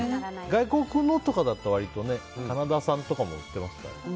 外国のとかだと割とカナダ産とかも売ってますからね。